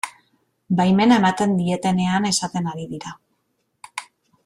Baimena ematen dietenean esaten ari dira.